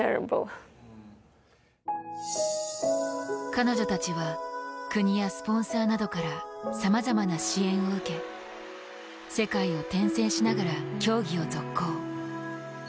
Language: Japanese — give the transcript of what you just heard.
彼女たちは、国やスポンサーなどからさまざまな支援を受け世界を転戦しながら競技を続行。